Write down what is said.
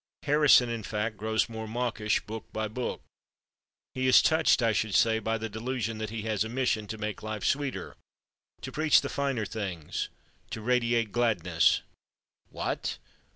Harrison, in fact, grows more mawkish book by book. He is touched, I should say, by the delusion that he has a mission to make life sweeter, to preach the Finer Things, to radiate Gladness. What!